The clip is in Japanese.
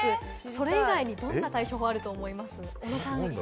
それ以外にどんな対処法があると思います？